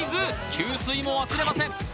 給水も忘れません、